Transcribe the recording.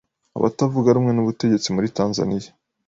Abatavuga rumwe n'ubutegetsi muri Tanzania